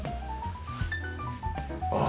ああ。